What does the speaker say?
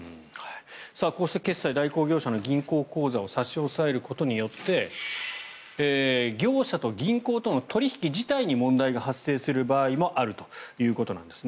こうした決済代行業者の銀行口座を差し押さえることによって業者と銀行との取引自体に問題が発生する場合もあるということなんです。